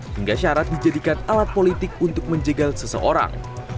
hingga syarat dijadikan alat politik untuk menjegal seseorang